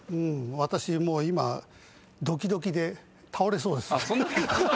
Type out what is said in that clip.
私もう今ドキドキで倒れそうです。